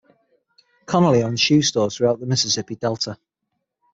Conerly owned shoe stores throughout the Mississippi Delta.